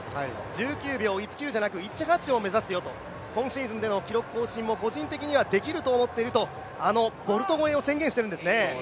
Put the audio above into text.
１９秒１９じゃなく１８を目指すよと、今シーズンの記録更新も個人的にはできると思っていると、あのボルト超えも宣言しているんですね。